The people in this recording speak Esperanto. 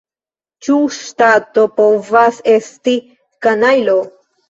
Ĉu ŝtato povas esti kanajlo?